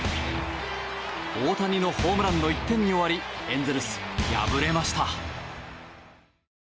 大谷のホームランの１点に終わりエンゼルス、敗れました。